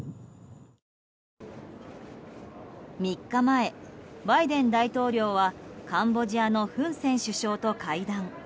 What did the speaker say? ３日前、バイデン大統領はカンボジアのフン・セン首相と会談。